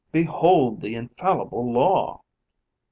Behold the infallible law!'